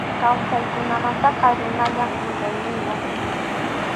Kawsaqkunamantaqa runallam yuyayniyuq.